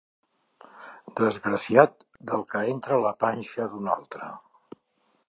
Desgraciat del que entra a la panxa d'un altre.